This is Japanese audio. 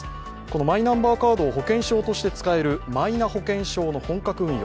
マイナンバーカードを保険証として使えるマイナ保険証の本格運用